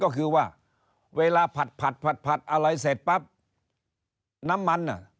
เก็บปั๊บน้ำมันน่ะ